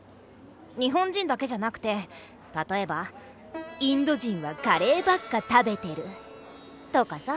日本人だけじゃなくてたとえばインド人はカレーばっか食べてるとかさ。